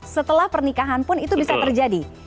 setelah pernikahan pun itu bisa terjadi